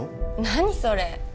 何それ？